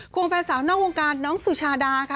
วงแฟนสาวนอกวงการน้องสุชาดาค่ะ